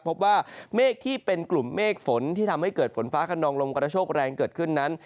พบว่าเมฆที่เป็นกลุ่มเมฆฝนที่ทำให้เกิดฝนฟ้าขนองลมกระโชคแรงเกิดขึ้นนั้น